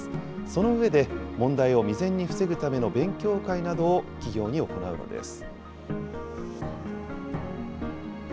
その上で、問題を未然に防ぐための勉強会などを企業に行うのです。